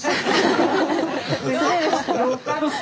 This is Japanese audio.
よかった。